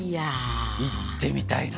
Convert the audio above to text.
行ってみたいな。